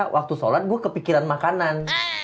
waktu sholat gue kepikiran makanan